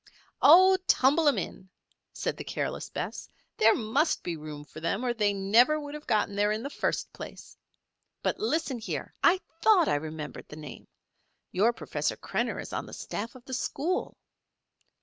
"Oh, tumble 'em in," said the careless Bess. "There must be room for them, or they would never have got in there in the first place. But listen here! I thought I remembered the name. Your Professor Krenner is on the staff of the school."